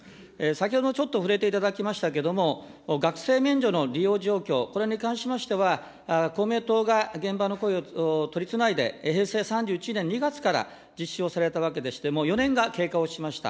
先ほどちょっと触れていただきましたけれども、学生免除の利用状況、これに関しましては、公明党が現場の声を取りつないで、平成３１年２月から実施をされたわけでして、もう４年が経過をしました。